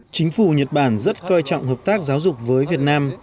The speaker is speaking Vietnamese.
chính phủ nhật bản rất coi trọng hợp tác giáo dục với việt nam